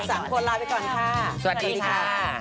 วันนี้ไปก่อนสวัสดีค่ะ